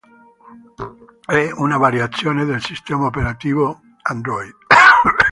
È una variazione del sistema operativo di Google, Android.